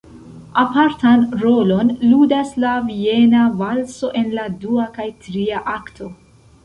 Apartan rolon ludas la viena valso en la dua kaj tria akto.